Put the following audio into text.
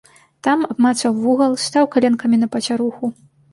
Там абмацаў вугал, стаў каленкамі на пацяруху.